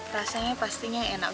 rasanya pastinya enak